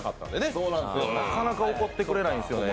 そうなんですよ、なかなか怒ってくれないんですよね。